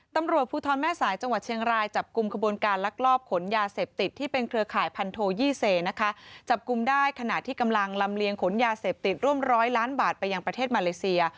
ตำรวจภูทรแม่สายจังหวัดเชียงรายจับกลุ่มขบวนการลักลอบขนยาเสพติดที่เป็นเครือข่ายพันโทยี่เซนะคะจับกลุ่มได้ขณะที่กำลังลำเลียงขนยาเสพติดร่วมร้อยล้านบาทไปยังประเทศมาเลเซีย